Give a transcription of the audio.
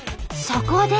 そこで。